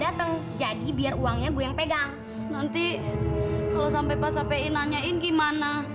dateng jadi biar uangnya gue yang pegang nanti kalau sampai pas api nanyain gimana